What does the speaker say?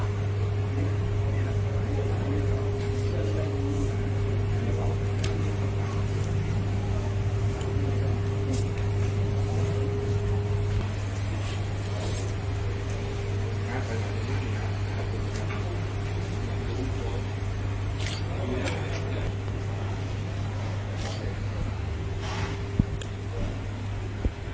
อันที่สุดท้ายอีกไปเท่านั้นของอร่อยตลอดของอร่อยตลอด